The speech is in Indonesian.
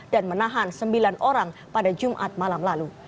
dan menahan sembilan orang pada jumat malam lalu